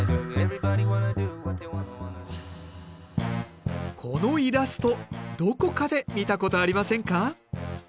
このイラストどこかで見たことありませんか？